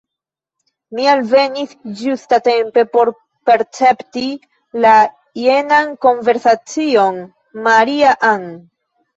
Mi alvenis ĝustatempe por percepti la jenan konversacion: «Maria-Ann! »